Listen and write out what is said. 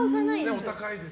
お高いですし。